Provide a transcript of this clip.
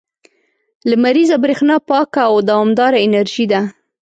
• لمریزه برېښنا پاکه او دوامداره انرژي ده.